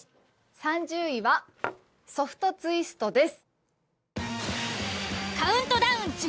３０位はソフトツイストです。